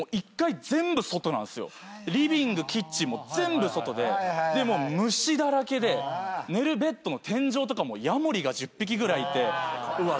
リビングキッチンも全部外ででもう虫だらけで寝るベッドの天井とかもヤモリが１０匹ぐらいいてうわっ